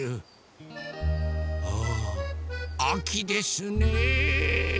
あぁあきですね。